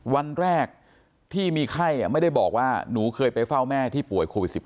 วันแรกที่มีไข้ไม่ได้บอกว่าหนูเคยไปเฝ้าแม่ที่ป่วยโควิด๑๙